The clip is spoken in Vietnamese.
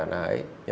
nó còn nhiều